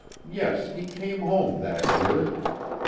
Yes, he came home that year.